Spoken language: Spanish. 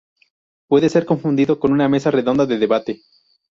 Puede ser confundido con una mesa redonda de debate.